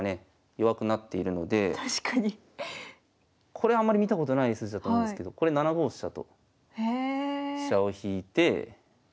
これあんまり見たことない筋だと思うんですけど７五飛車と飛車を引いて。